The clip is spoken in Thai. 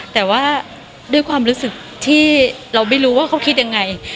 แต่ว่าด้วยความรู้สึกที่เราไม่รู้ว่าเขาคิดยังไง